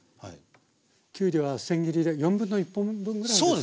きゅうりはせん切りで1/4本分ぐらいですか？